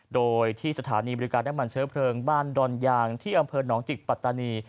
โดยที่สถานีบริการน้ำมันเชื้อเพลิงบ้านดอนยางที่อำเภอหนองจิกปัตตานี